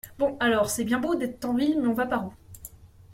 Bon, alors, c’est bien beau d’être en ville, mais on va par où ?